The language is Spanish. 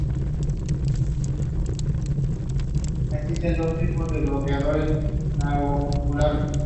Poseía, entre otras edificaciones, una iglesia y una cárcel.